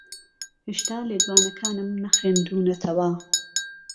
ھێشتا لێدوانەکانم نەخوێندوونەتەوە.